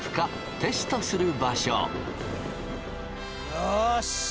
よし！